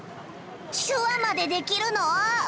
手話までできるの！？